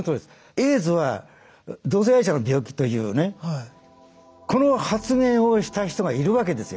「エイズは同性愛者の病気」というねこの発言をした人がいるわけですよ